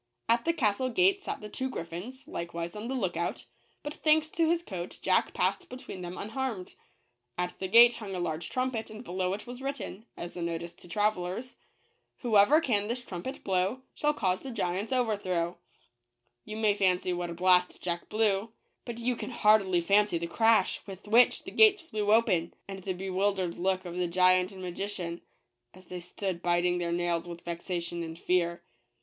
At the castle gate sat the two griffins, likewise on the look out ; but thanks to his coat Jack passed between them unharmed. At the gate hung a large trumpet, and below it was written, as a notice to travelers " Whoever can this trumpet blow, Shall cause the giant's overthrow/' You may fancy what a blast Jack blew ; but you can hardly fancy the crash with which the gates flew open ; and the be wildered look of the giant and magician, as they stood biting their nails with vexation and fear.